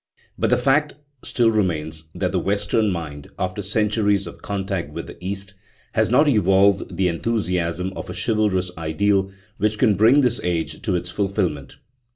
But the fact still remains that the Western mind, after centuries of contact with the East, has not evolved the enthusiasm of a chivalrous ideal which can bring this age to its fulfilment.